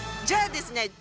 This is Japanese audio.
じゃあですね